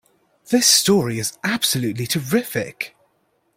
This story is absolutely terrific!